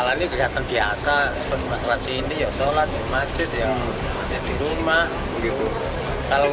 ini kegiatan biasa seperti masjid sini ya sholat masjid ya di rumah